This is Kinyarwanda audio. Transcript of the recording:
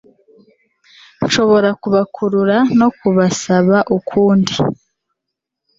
nshobora kubakurura no kubasaba ukundi